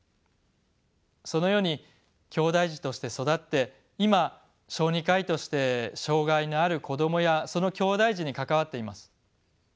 そのようにきょうだい児として育って今小児科医として障がいのある子どもやそのきょうだい児に関わっています。